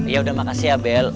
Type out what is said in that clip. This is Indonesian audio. ya udah makasih ya bel